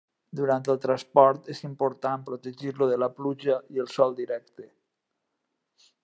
Durant el transport és important protegir-lo de la pluja i el sol directe.